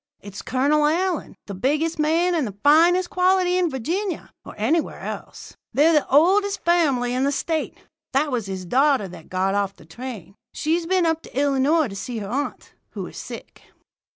It's Colonel Allyn, the biggest man and the finest quality in Virginia, or anywhere else. They're the oldest family in the State. That was his daughter that got off the train. She's been up to Illinois to see her aunt, who is sick.'